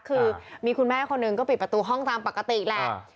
คือมีคุณแม่คนหนึ่งก็ปิดประตูห้องตามปกติแหละ